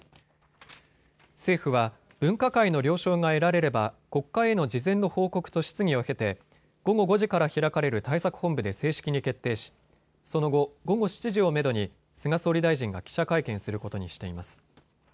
政府は分科会の了承が得られれば国会への事前の報告と質疑を経て午後５時から開かれる対策本部で正式に決定しその後、午後７時をめどに菅総理大臣が記者会見することにしています。